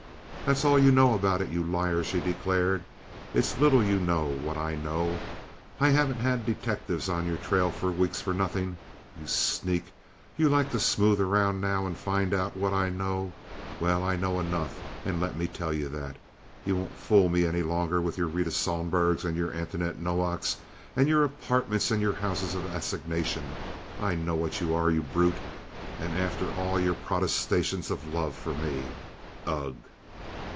"That's all you know about it, you liar!" she declared. "It's little you know what I know. I haven't had detectives on your trail for weeks for nothing. You sneak! You'd like to smooth around now and find out what I know. Well, I know enough, let me tell you that. You won't fool me any longer with your Rita Sohlbergs and your Antoinette Nowaks and your apartments and your houses of assignation. I know what you are, you brute! And after all your protestations of love for me! Ugh!"